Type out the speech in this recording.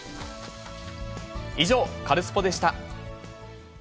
以上、カルスポっ！でした。